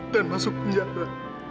dan masuk penjara